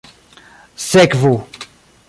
sekvu